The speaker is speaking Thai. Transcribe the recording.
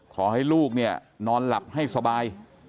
ขอให้ลูกเนี่ยนอนหลับให้สบาย